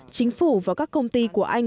chính phủ và các công ty của anh